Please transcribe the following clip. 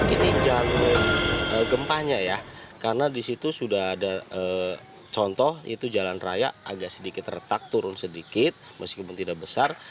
ini jalur gempanya ya karena di situ sudah ada contoh itu jalan raya agak sedikit retak turun sedikit meskipun tidak besar